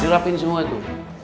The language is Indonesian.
dirapiin semua itu